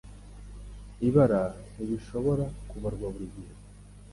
Ibibara ntibishobora kubarwa buri gihe;